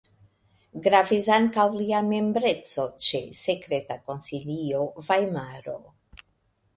Gravis ankaŭ lia membreco ĉe Sekreta konsilio (Vajmaro).